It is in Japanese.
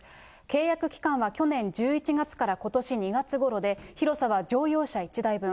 契約期間は去年１１月からことし２月ごろで、広さは乗用車１台分。